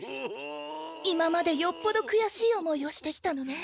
今までよっぽどくやしい思いをしてきたのね。